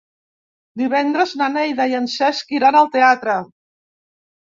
Divendres na Neida i en Cesc iran al teatre.